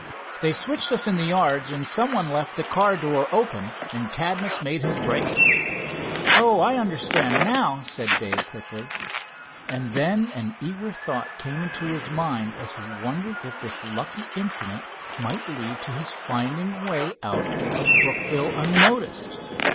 They switched us in the yards, and some one left the car door open, and Cadmus made his break." "Oh, I understand now," said Dave quickly, and then an eager thought came into his mind, as he wondered if this lucky incident might lead to his finding a way out of Brookville unnoticed.